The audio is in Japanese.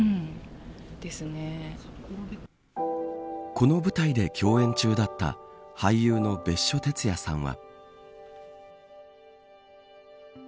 この舞台で共演中だった俳優の別所哲也さんは。